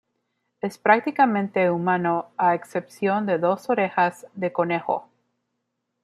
Es prácticamente humano a excepción de dos orejas de conejo.